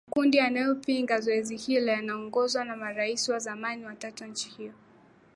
makundi yanayopinga zoezi hilo yanayoongozwa na marais wa zamani watatu wa nchi hiyo